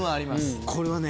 これはね。